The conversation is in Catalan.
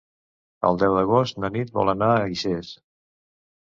El deu d'agost na Nit vol anar a Guixers.